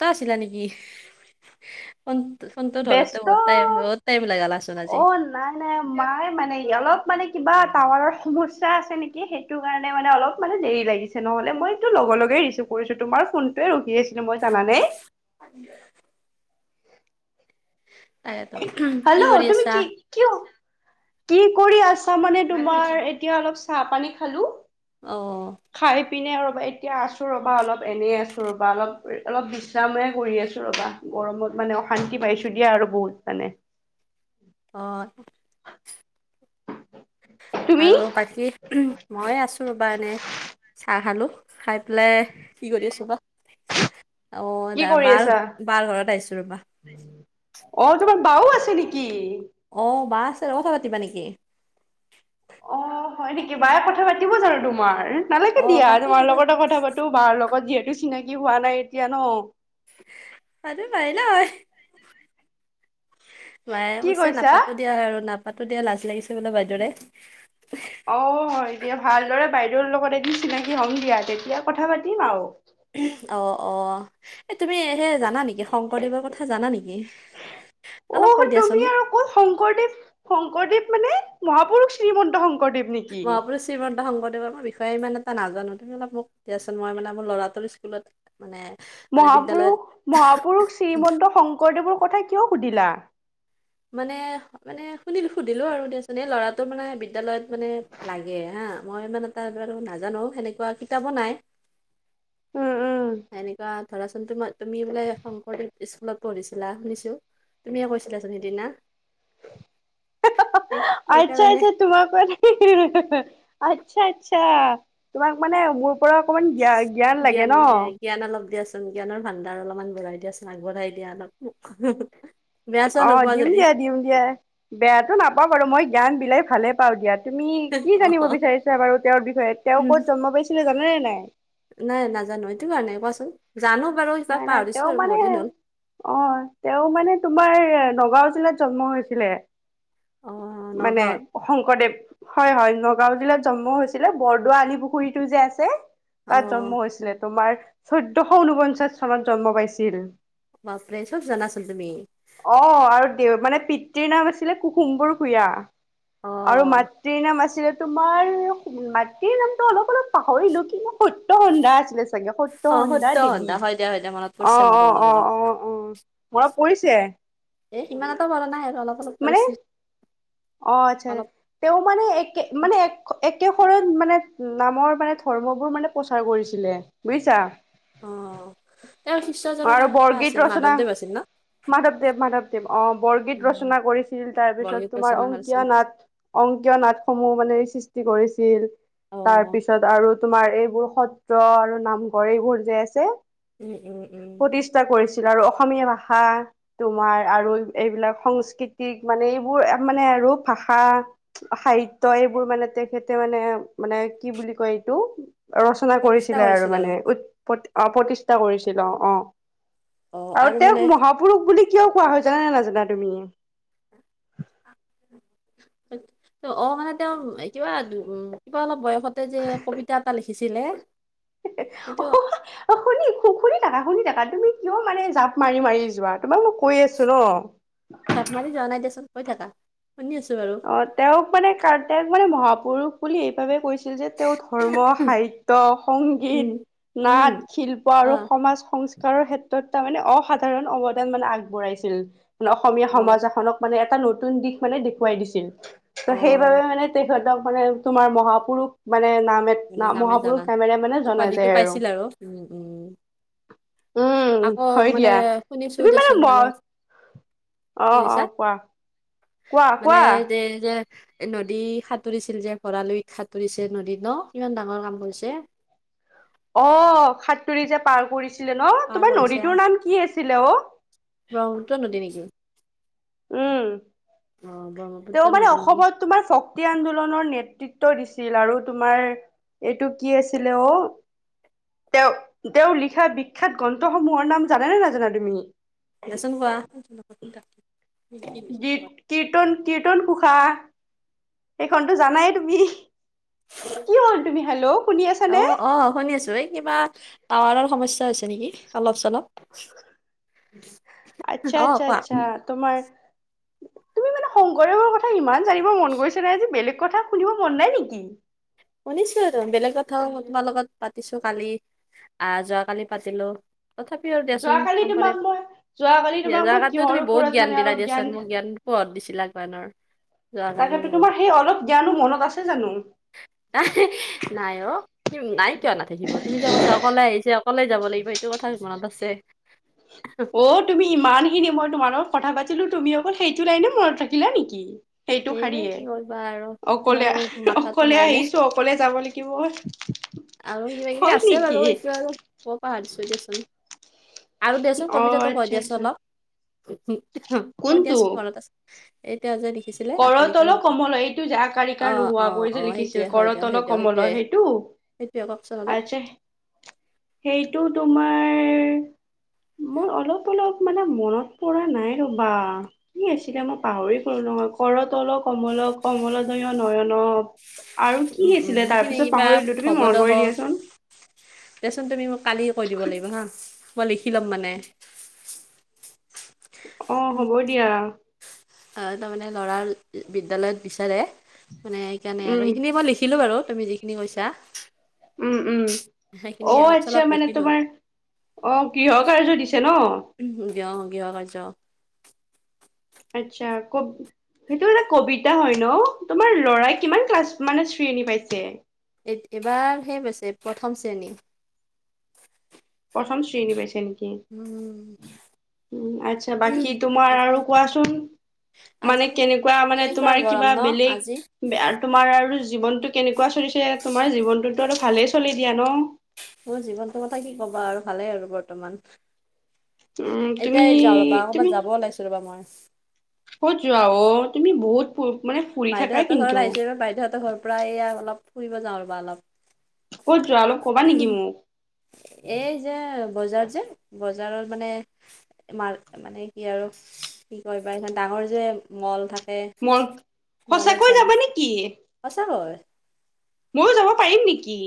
টা আছিলা নেকি? ফন ফোনটো ধৰোতে ব্যস্ত বহুতাইম বহুত টাইম লাগালাচোন আজি। অ' নাই নাই মায়ে মানে অলপ মানে কিবা টাৱাৰৰ সমস্যা আছে নেকি? সেই- টো কাৰণে মানে অলপ মানে দেৰি লাগিছে, নহ'লে মইটো লগে লগে ৰিচিভ কৰিছো তোমাৰ ফোনটোৱে ৰখি আছি- লো মই জানানে? [unintelligible] তাকেটো, কি হেল্ল' কৰি তুমি আছা? কি কিয়? কি কৰি আছা মানে তোমাৰ এতিয়া অলপ চাহ পানী খালো, - অঁ' খাই পিনে ৰ'বা এতিয়া আছোঁ ৰ'বা অলপ এনেই আছোঁ ৰ'বা অলপ অলপ বিশ্ৰামহে কৰি আছো ৰ'বা। গৰমত মানে অশান্তি পাইছো দিয়া আৰু বহুত মানে। অঁ' তুমি আৰু বাকী মই আছো ৰবা এনেই। চাহ খালোঁ, খাই পেলাই কি কৰি আছো বা? অঁ কি দা কৰি বাৰ আছা বাৰ ঘৰত আহিছো ৰবা। [unintelligible] অঁ' তোমাৰ বাও আছে নেকি? অঁ বা আছে ত কথা পাতিবা নেকি? অঁ হয় নেকি, বায়ে কথা পাতিব জানো তোমাৰ? নালাগে অ দিয়া, পাতিব তোমাৰ পাত লগতে কথা পাতো বাৰ লগত যিহেতু চিনাকি হোৱা নাই এতিয়া ন। পাতিব পাৰিলা হয়। বায়ে কি কৈছে কৈছা নাপাতো দিয়া আৰু নাপাতো দিয়া লাজ লাগিছে বোলে বাইদেউলে। অঁ' হয় দিয়া ভালদৰে বাইদেউৰ লগত এদিন চিনাকি হম দিয়া, তেতিয়া কথা পাতিম আৰু। অ অ' এই তুমি সেই জানা নেকি শংকৰদেৱৰ কথা জানা নেকি? অলপ অ', কৈ তুমি দিয়াচোন। আৰু শংকৰদেৱ শংকৰদেৱ মানে, মহাপুৰুষ শ্ৰীমন্ত শংকৰদেৱ। নেকি মহাপুৰুষ- শ্ৰীমন্ত শংকৰদেৱৰ মই বিষয়ে ইমান এটা নাজানো, তুমি অলপ মোক দিয়াচোন মই মানে মোৰ ল'ৰাটোৰ স্কুলত- মানে- মানে বিদ্যালয়ত মহাপুৰুষ মহাপুৰুষ শ্ৰীমন্ত শংকৰদেৱৰ কথা কিয় সুধিলা? মানে- মানে শুনিলো সুধিলো আৰু দিয়াচোন এই ল'ৰাটো মানে বিদ্যলয়ত মানে লাগে হাঁ, মই মানে- তাৰপৰাটো নাজানো, সেনেকুৱা কিতাপো নাই। উম' উম' সেনেকুৱা ধৰাচোন তোমা তুমি বোলে শংকৰদেৱ স্কুলত পঢ়িছিলা শুনিছো। তুমিয়ে কৈছিলাচোন সিদিনা। সেই আৎচ্ছা সেইকাৰণে আৎচ্ছা। তোমাক মানে আৎচ্ছা আৎচ্ছা তোমাক মানে মোৰ- পৰা অকমান জ্ঞা জ্ঞান লাগে ন। জ্ঞান অলপ দিয়াচোন জ্ঞানৰ ভাণ্ডাৰ অলপমান বঢ়াই দিয়াচোন আগবঢ়াই দিয়া অলপ মোক। বেয়া চেয়া অঁ নোপোৱা দিম যদি দিয়া দিম দিয়া, বেয়াতো নাপাওঁ বাৰু মই জ্ঞান বিলাই ভালে পাওঁ দিয়াত। তুমি কি জানিব বিচাৰিছা বাৰু তেওঁৰ বিষয়ে তেওঁ অ ক'ত জন্ম পাইছিলে জানানে নাই? নাই নাজানো, এইটো কাৰণে কোৱাচোন জানো বাৰু কিবা নাই নাই তেওঁ পাহৰিছো আৰু মানে বহুত দিন হ'ল। অ, তেওঁ মানে তোমাৰ নগাঁও জিলাত জন্ম হৈছিলে। অ মানে নগাঁৱত শংকৰদেৱ হয়-হয় নগাঁও জিলাত জন্ম হৈছিলে, বৰদোৱা আলি পুখুৰীটো যে আছে। অ তাত জন্ম হৈছিলে তোমাৰ চৈধ্যশ ঊনপঞ্চাশ চনত জন্ম পাইছিল। বাপৰে চব জানাচোন তুমি। অ, আৰু দেউ মানে পিতৃৰ নাম আছিলে কুসুম্বৰ ভূঞা। অ আৰু মাতৃৰ নাম আছিলে তোমাৰ মাটিৰ নামটো অলপ অলপ পাহৰিলো কিন্ত সত্য সন্ধা আছিলে চাগে সত্য সন্ধা দেৱী। দিয়া এতিয়া যায় মনত অ, পৰিছে মোৰো অ, অলপ অ, অলপ অ, অ, মনত পৰিছে। এ ইমান এটা মনত নাই আৰু অলপ-অলপ মানে কৰিছিল। অ' আচ্ছা, তেওঁ মানে একে মানে এক একেশৰণ মানে নামৰ মানে ধৰ্মবোৰ মানে প্ৰচাৰ কৰিছিলে বুজিছা। অ তেওঁৰ শিষ্যজনৰ নাম কিবা আছিল মাধৱদেৱ আছিল ন। মাধৱদেৱ-মাধৱদেৱ আহ, বৰগীত উম, ৰচনা কৰিছিল তাৰ পিছত বৰগীত তোমাৰ ৰচনা অংকীয়া কৰিছিল নাত। অংকীয় নাটসমূহ মানে সৃষ্টি কৰিছিল অ তাৰপিছত আৰু তোমাৰ এইবোৰ সত্ৰ আৰু নামঘৰ এইবোৰ যে আছে। উম, উম, উম, চেষ্টা কৰিছিলা আৰু অসমীয়া ভাষা, তোমাৰ আৰু এইবিলাক সংস্কৃতিক মানে এইবোৰ মানে ৰূপ ভাষা। সাহিত্য এইবোৰ মানে তেখেতে মানে-মানে কি বুলি কয় এইটো, ৰচনা প্ৰতিষ্ঠা কৰিছিলে আৰু কৰিছিল মানে উ অ' প্ৰতিষ্ঠা কৰিছিল অ' অ'। আৰু তেওঁক মহাপুৰুষ বুলি কিয় কোৱা হয়, জান নে নাজানা তুমি? অ' মানে তেওঁ কিবা উ কিবা অলপ বয়সতে যে কবিতা এটা লিখিছিলে। অ সেইটো [unintelligible] অ' শুনি শুনি থাকা, শুনি থাকা তুমি কিয় মানে জাপ মাৰি-মাৰি যোৱা তোমাক মই কৈ আছো ন। জাপ মাৰি যোৱা নাই দিয়চোন কৈ থাকা শুনি আছো বাৰু। অ' তেওঁক মানে তেওঁক মানে মহাপুৰুষ বুলি এইবাবে কৈছে, আছিল যে তেওঁ ধৰ্ম সাহিত্য সংগীত। উম উম নাট শিল্প অ আৰু সমাজ সংস্কৃতি, সংস্কাৰ ক্ষেত্ৰত তাৰ মানে অসাধাৰণ অৱদান মানে আগবঢ়াইছিল। অসমীয়া অ সমাজ এখনক মানে এটা নতুন দিশ মানে দে দেখোৱাই দিছিল অ ত' সেইবাবে মানে তেখেতক মানে তোমাৰ মহাপুৰুষ মানে নাম এটা মানে ন নামে জানা মহাপুৰুষ নমেৰে মানে জনা উপাধিটো যায় আৰু। পাইছিল উম, উম। উম আকৌ হয় মানে দিয়া শুনিছো তুমি মানে দেচোন ম বাৰু। অ' অ' কোৱা। কোৱা মানে কোৱা দে যে, নদী সাঁতুৰিছিল যে ভঁৰালৈ সাঁতুৰিছে নদী ন' কিমান ডাঙৰ কাম কৰিছে। অ' সাতৰি যে পাৰ কৰিছিলে ন' পাৰ তোমাৰ কৰিছে নদীটোৰ নাম কি আছিলে অ', ব্ৰহ্মপুত্ৰ নদীৰ নেকি? উম, অ ব্ৰহ্মপুত্ৰ তেওঁ মানে নদী নেকি অসমত। তোমাৰ শক্তি আন্দোলনৰ নেতৃত্ব দিছিল আৰু তোমাৰ এইটো কি আছিলে অ তেওঁ তেওঁৰ লিখা বিখ্যাত গ্ৰন্থসমূহৰ নাম জানেনে নাজানা তুমি? দিয়াচোন কোৱা। কী-কীৰ্তন-কীৰ্তন ঘোষা সেইখনতো জানাই তুমি। কি হ'ল তুমি হেল্ল' শুনি আছানে? অ' অ' শুনিছো এই কিবা টাৱাৰৰ সমস্যাৰ হৈছে নেকি অলপ চলপ। অ কোৱা আচ্ছা-আচ্ছা-আচ্ছা তোমাৰ তুমি মানে শংকৰদেৱৰ কথা ইমান জানিব মন গৈছে নে আজি, বেলেগ কথা শুনিব মন নাই নেকি? শুনিছো আৰু বেলেগ কথাও তোমাৰ লগত পাতিছো কালি আহ যোৱাকালি পাতিলো তথা দিয়াচোন যোৱাকালি শংকৰদেৱ, তোমাক মই যোৱাকালি তোমাক মই জগাতো কিহৰ তুমি বহুত ওপৰত জ্ঞান মানে দিলা অলপ জ্ঞান দিয়াচোন মোক জ্ঞান [unintelligible] যোৱাকালি তাকেতো বহুত তোমাৰ সেই অলপ জ্ঞানো মনত আছে জানো? নাই নাই অ নাই কিয় নাথাকিব তুমি যে কৈছা অকলে আহিছা অকলে যাব লাগিব, সেইটো কথা মনত আছে। [inaudible] অ' তুমি ইমানখিনি মই তোমাৰ লগত কথা পাতিলো। তুমি অকল সেইটো লাইনে মনত ৰাখিলা নেকি? সেইটো এ শাৰীয়ে, কি কৰিবা আৰু ইমান অকলে আৰু মাথাতো অকলে নাই নে আহিছো অকলে যাব লাগিব। আৰু কিবা কিবি হয় আছে নেকি? বাৰু এইটো আৰু ক'পা আনিছো দিছো দিয়াচোন। আৰু দিয়াচোন অ কবিতাটো কৈ আচ্ছা দিয়াচোন আচ্ছা অলপ। [unintelligible] মই কোনটো? দিয়াছো ঘৰত আছো, এতিয়া যে দেখিছিলে আকাৰ ইকাৰ কৰতল ন কমল এইটো যে আকাৰ ইকাৰ নোহোৱাকৈ অ-অ-অ যে লিখিছিল সেইটোৱে হয় দিয়ক কৰতল দিয়ক কমল সেইটোৱে। সেইটো? সেইটোয়ে কওঁকচোন অলপ, আচ্ছা সেইটো তোমাৰ মোৰ অলপ অলপ মানে মনত পৰা নাই ৰ'বা। কি আছিলে মই পাহৰি গলো নহয়, কৰতল কমল কমল দয় নয়ন আৰু কি উম, উম, আছিলে তাৰ সেইখিনি পিছত কিবা পাহৰিলো তুমি মন ভৱদহ কৰি দিয়াচোন। দেচোন তুমি মোক কালি কৈ দিব লাগিব হা। মই লিখি ল'ম মানে। অ হ'ব দিয়া। আহ তাৰমানে ল'ৰাৰ বিদ্যালয়ত বিচাৰে। মানে সেইকাৰণে আৰু, উম এইখিনি মই লিখিলো বাৰু তুমি যিখিনি কৈছা। উম উম সেইখিনি অ' অলপ আচ্ছা চলপ মানে লিখিলোঁ। তোমাৰ অ গৃহ কাৰ্য দিছে ন। উম [unintelligible] কাৰ্য্য আচ্ছা কব সেইটো এটা কবিতা হয় ন, তোমাৰ ল'ৰাই কিমান ক্লাছ মানে শ্ৰেণী পাইছে? এই-এইবাৰ সি পাইছে, প্ৰথম শ্ৰেণী প্ৰথম শ্ৰেণী পাইছে কি, উম, উম আচ্ছা বাকী তোমাৰ আজি আৰু কোৱাচোন মানে আজি কেনেকুৱা মানে কেনেকুৱা তোমাৰ গৰম কিবা ন আজি, বেলেগ আৰু তোমাৰ আৰু জীৱনটো কেনেকুৱা চলিছে তোমাৰ জীৱনটোতো আৰু ভালেই চলি দিয়া ন। মোৰ জীৱনটোৰত কথা কি ক'বা আৰু ভালেই আৰু বৰ্তমান। উম তুমি এতিয়াই যাওঁ ৰ'বা তুমি ক'ৰবাত যাব ওলাইছো ৰ'বা মই। ক'ত যোৱা অ? তুমি বহুত মানে। ফু-ফুৰি থাকা কিন্তু। এ বাইদেউহতৰ ঘৰ প্ৰায় ইয়া অলপ ফুৰিব যাওঁ ৰবা অলপ। ক'ত যোৱা অলপ ক'বা নেকি মোক? এই যে বজাৰত যে বজাৰত মানে এ মাল মানে কি আৰু কি কয় বা ইমান ডাঙৰ যে মল থাকে মোৰ মলত যাম। কি? সচাকৈ। ময়ো যাব পাৰিম নেকি?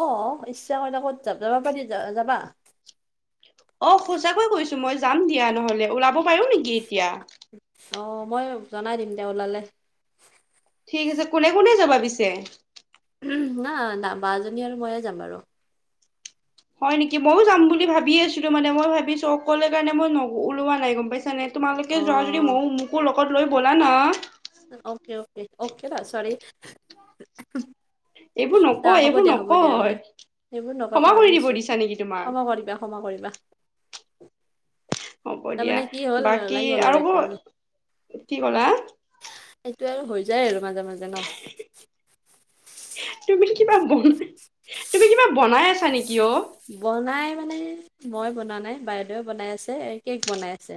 অ' ইচ্ছা কৰিলে ক'ত যা যাব পাৰি যা যাবা অ' সঁচাকৈ কৈছো মই যাম দিয়া নহলে, ওলাব পাৰো নেকি এতিয়া? অ' মই জনাই দিম তেওঁ ওলালে। ঠিক আছে, কোনে কোনে যাবা পিছে? উহু, না না বাজনী আৰু ময়ে যাম বাৰু। হয় নেকি? মইয়ো যাম বুলি ভাবি আছিলো মানে মই ভাবিছো অকলে কাৰণে মই ন ওলোৱা নাই গম পাইছানে? তোমালোকে অ যোৱা যদি মই মোকো লগত লৈ ব'লা না? অকে অকে, অকে বা চৰি এইবোৰ দা নকয় হ'ব এইবোৰ দিয়া হ'ব দিয়া হ'ব নকয়, দিয়া সেইবোৰ নকয় ক্ষমা পাহৰি কৰি দিব গৈছো দিছা নেকি তোমাক? ক্ষমা কৰিবা ক্ষমা কৰিবা। হ'ব দিয়া, তাৰমানে কি হ'ল বাকী ওলাই গ'ল আৰু এইটো কো কি কলা? সেইটো আৰু হৈ যায় আৰু মাজে মাজে ন। তুমি কিবা বন, তুমি কিবা বনাই আছা নেকি অ? বনাই মানে মই বনা নাই, বাইদেউৱে বনাই আছে এই কেক বনাই আছে।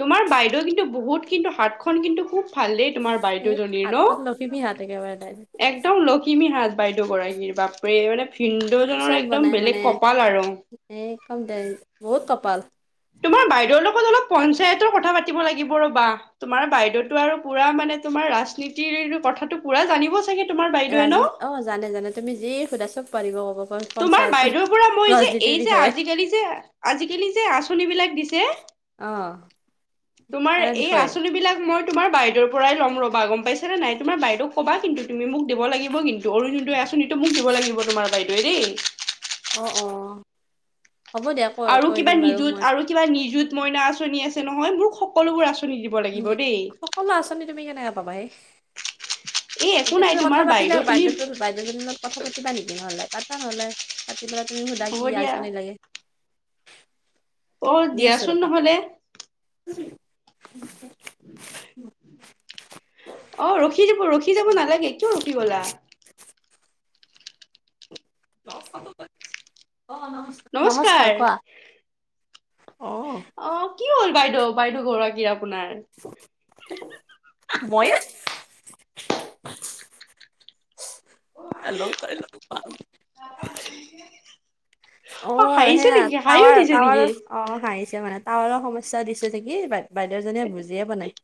তোমাৰ বাইদেউ কিন্তু বহুত কিন্তু হাতখন কিন্তু খুব ভাল দেই তোমাৰ এই বাইদেউজনীৰ ন? হাতখন লখিমী হাত একেবাৰে তাই এক দম লখিমী হাত বাইদেউ গৰাকীৰ বাপৰে মানে ভিন্দৌজনৰ একদম বেলেগ কপাল আৰু। একদম দেই, বহুত কপাল। তোমাৰ বাইদেউৰ লগত অলপ পঞ্চায়তৰ কথা পাতিব লাগিব ৰ'বা। তোমাৰ বাইদেউতো আৰু পুৰা মানে তোমাৰ ৰাজনীতিৰ কথাটো পুৰা জানিব চ ৰাজনীতি অ' জানে, জানে তুমি যিয়েই সুধা চব পাৰিব ক'ব। পাৰ তোমাৰ বাইদেউৰ পৰা মই যে এই যে আজিকালি যে, আজিকালি যে আঁচনিবিলাক দিছে। অ'। তোমাৰ তাৰে এই বিষয়ে আচঁনিবিলাক মই তোমাৰ বাইদেউৰ পৰাই ল'ম ৰ'বা গম পাইছানে নাই? তোমাৰ বাইদেউ ক'বা কিন্তু তুমি মোক দিব লাগিব কিন্তু অৰুণোদয় আঁচনি টো মোক দিব লাগিব তোমাৰ বাইদেৱে দেই। অ' অ। হ'ব দিয়া কৈ, আৰু কৈ কিবা দিম বাৰু নিযুত মই। আৰু কিবা নিযুত মইনা আঁচনি আছে নহয়? মোৰ সকলোবোৰ আঁচনি দিব লাগিব নি- দেই। সকলো আঁচনি তুমি কেনেকে পাবাহে? এই একো এতিয়া নাই তুমি কথা তোমাৰ পাতিলে বাইদেউ তুমি বাইদেউটো বাইদেউজনীৰ লগত কথা পাতিবা নেকি? নহ'লে পাতা নহ'লে, পাতি পেলাই তুমি সুধা কি হ'ব দিয়া আঁচনি লাগে? অ সুধি আছোঁ দিয়াচোন ৰ'বা। নহ'লে অ, ৰখি দিব, ৰখি যাব নালাগে, কিয় ৰখি গলা? [unintelligible] অ, নমস্কাৰ, নমস্কাৰ কোৱা। অ' অ' কি হ'ল বাইদেউ, বাইদেউগৰাকী আপোনাৰ? মই [unintelligible] পাঙ অ'সেয়া, টাৱাৰ টাৱাৰৰ অ হাঁহিছে নেকি হাঁহি উঠিছে নেকি অ, হাঁয়। দিছে মানে, টাৱাৰৰ সমস্যা দিছে নেকি? বাই বাইদেউ‌ জনীয়ে বুজিয়ে পোৱা নাই।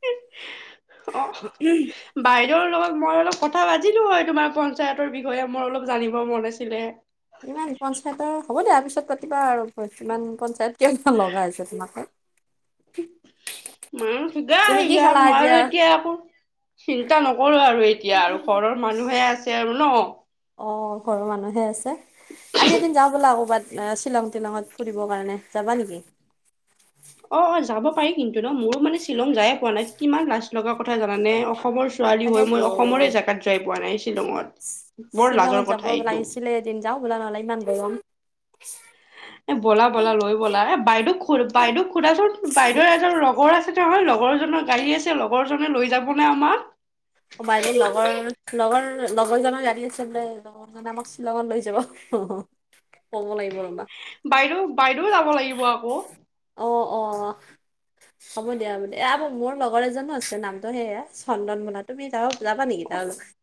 অ [unintelligible] বাইদেউৰ লগত মই অলপ কথা পাতিলো হয়, তোমাৰ পঞ্চায়তৰ বিষয়ে, মোৰ অলপ জানিব মন আছিলে। ইমান পঞ্চায়তৰ হ'ব দিয়া, পিছত পাতিবা আৰু ইমান পঞ্চায়ত কেলে ল'গা হৈছে তোমাকে হেঁ। মাক তুমি শুধাহি কি য়া খালা মই আৰু এতিয়া আকৌ চিন্তা নকৰোঁ আৰু এতিয়া আৰু, ঘৰৰ মানুহে আছে আৰু ন'? অ' ঘৰৰ মানুহে আছে, আমি এদিন যাওঁ ব'লা ক'ৰবাত। এ, শ্বিলং টিলংত ফুৰিবৰ কাৰণে, যাবা নিকি? অঁ অঁ, যাব পাৰি কিন্তু ন'? ময়ো মানে শ্বিলং যায়ে পোৱা নাই, কিমান লাছ লগা কথা জানানে? অসমৰ ছোৱালী হৈ, তাকেইতো। মই অসমৰে জাগাত যায় পোৱা নাই, শ্বিলঙত। বৰ লাজৰ শ্বিলঙত যাব কথা এইটো। লাগিছিলে এদিন যাওঁ ব'লা নহ'লে, ইমান গৰম। এ, ব'লা ব'লা, লৈ ব'লা। এ, বাইদেক সুধা, বাইদেউ সোধাচোন, বাইদেউৰ এজন লগৰ আছে নহয়, লগৰ জনৰ গাড়ী আছে। লগৰ জনে লৈ যাবনে আমাক? বাইদেউ লগৰ, লগৰ লগৰ জনৰ গাড়ী আছে বোলে, লগৰ লগৰ জনে আমাক শ্বিলঙত লৈ যাব। ক'ব লাগিব ৰ'বা। বাইদেউ, বাইদেউ যাব লাগিব আকৌ। অঁ, অঁ। হ'ব দিয়া, হ'ব দিয়া। এয়া মোৰ লগৰ এজনো আছে, নামটো সেয়া চন্দন মোনা তুমি যাৱ, যাবা নেকি তাৰ লগত?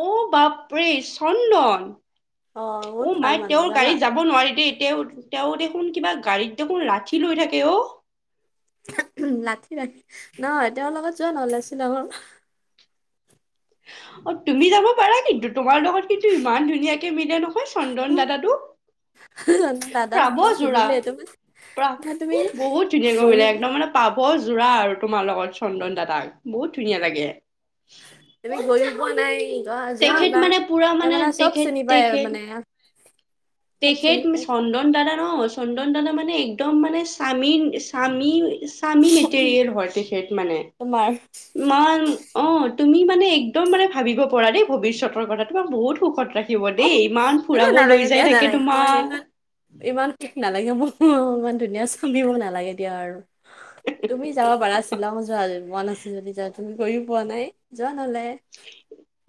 ঔ, বাপৰে চন্দন, বহুত অ' ভাল মাই মানুহ তেওঁৰ যাবা গাড়ীত যাব যাব নোৱাৰি দেই, তেওঁৰ, তেওঁ দেখোন কিবা গাড়ীত দেখোন লাঠি লৈ থাকে ঔ? [unintelligible] লাঠি ৰাখে, নহয় তেওঁৰ লগত যোৱা নহ'লে শ্বিলংত অ, তুমি যাব পাৰা কিন্তু, তোমাৰ লগত কিন্তু ইমান ধুনীয়াকে মিলে নহয়, চন্দন দাদাটো। দাদা মোৰ পাভো লগত যোৰা নিমিলে তুমি প্ৰা তুমি বহুত মিলে গৈয়ো একদম মানে পাব যোৰা আৰু তোমাৰ লগত চন্দন দাদাক বহুত ধুনীয়া লাগে। তুমি গৈ পোৱা নাই গ যোৱা তেখেত এবাৰ মানে পুৰা মানে তাৰমানে চব তেখেত চিনি পাই আৰু তেখেত মানে চব তেখেত চিনি তুমি পায় চন্দন দাদা ন' চন্দন দানা মানে একদম মানে স্বামীৰ স্বামী স্বামী মেটেৰিয়েল হয় তেখেত মানে। তোমাৰ মই অঁ, তুমি মানে একদম মানে ভাবিব পৰা দেই ভৱিষ্যতৰ কথা তোমাক বহুত সুখত ৰাখিব। দেই ইমান এ ফুৰাব লৈ নালাগে যাই দিয়া থাক নালাগে মই ইমান ইমান সোখ নালাগে মোক, ইমান ধুনীয়া স্বামীও নালাগে দিয়া আৰু তুমি যাব পাৰা শ্বিলঙ যোৱা মন আছে যদি যোৱা তুমি গৈও পোৱা নাই যোৱা নহ'লে।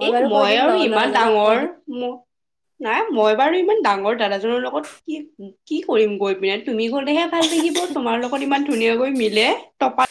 এ বাৰু কৈ মই দিম আৰু লগৰ ইমান ল'ৰাজনক কৈ ডাঙৰ দিম মই, নাই মই বাৰু ইমান ডাঙৰ দাদাজনৰ লগত কি কি কৰিম গৈ পিনে, তুমি গ'লেহে ভাল থাকিব তোমাৰ লগত ইমান ধুনীয়াকৈ মিলে। টপাত